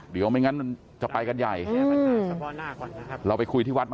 เดี๋ยวไม่งั้นจะไปกันใหญ่อืม